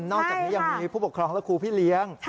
อกจากนี้ยังมีผู้ปกครองและครูพี่เลี้ยง